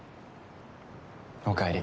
おかえり。